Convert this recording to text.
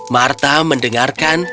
martha mendengarkan dengan penuh minat